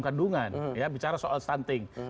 kandungan bicara soal stunting